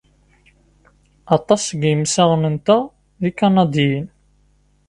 Aṭas seg yimsaɣen-nteɣ d Ikanadiyen.